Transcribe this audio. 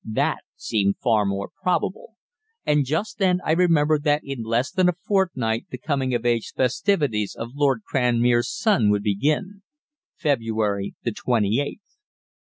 That seemed far more probable, and just then I remembered that in less than a fortnight the coming of age festivities of Lord Cranmere's son would begin February the 28th.